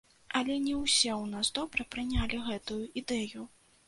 Але не ўсе ў нас добра прынялі гэтую ідэю.